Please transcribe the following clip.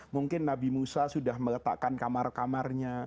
mungkin nabi musa sudah meletakkan kamar kamarnya